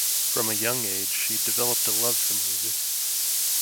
From a young age, she developed a love for music.